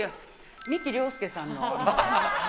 美木良介さんの。